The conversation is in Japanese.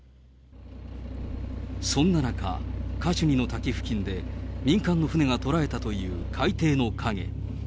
そんな中、カシュニの滝付近で、民間の船がとらえたという海底の影。